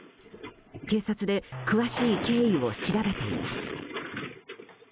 警察で詳しい経緯を調べています。